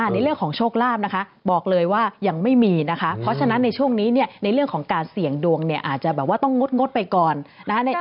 ในเรื่องของโชคลาภนะคะบอกเลยว่ายังไม่มีนะคะเพราะฉะนั้นในช่วงนี้เนี่ยในเรื่องของการเสี่ยงดวงเนี่ยอาจจะแบบว่าต้องงดไปก่อนนะคะ